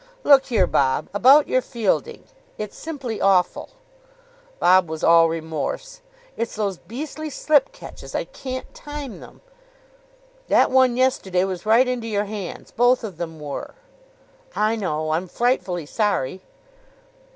"Look here, Bob. About your fielding. It's simply awful." Bob was all remorse. "It's those beastly slip catches. I can't time them." "That one yesterday was right into your hands. Both of them were." "I know. I'm frightfully sorry."